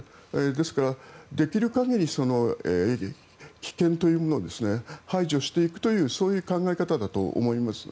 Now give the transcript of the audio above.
ですから、できる限り危険というものを排除していくという考え方だと思います。